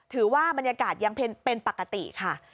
ถือว่าบรรยากาศยังเป็นปกติค่ะ